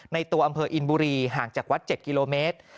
ตัวอำเภออินบุรีห่างจากวัด๗กิโลเมตร